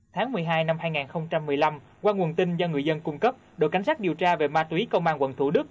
tháng một mươi hai năm hai nghìn một mươi năm qua nguồn tin do người dân cung cấp đội cảnh sát điều tra về ma túy công an quận thủ đức